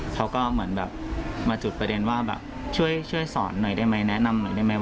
เขาก็เหมือนแบบมาจุดประเด็นว่าแบบช่วยสอนหน่อยได้ไหมแนะนำหน่อยได้ไหม